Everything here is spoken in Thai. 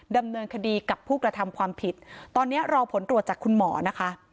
ดำเนินคดีกับผู้กระทำความผิดตอนนี้รอผลตรวจจากคุณหมอนะคะ